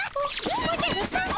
おおじゃるさま？